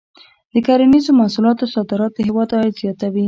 د کرنیزو محصولاتو صادرات د هېواد عاید زیاتوي.